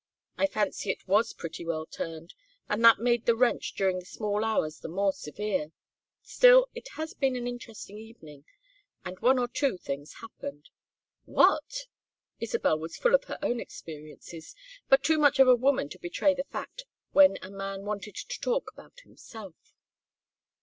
I fancy it was pretty well turned, and that made the wrench during the small hours the more severe. Still, it has been an interesting evening, and one or two things happened." "What?" Isabel was full of her own experiences, but too much of a woman to betray the fact when a man wanted to talk about himself.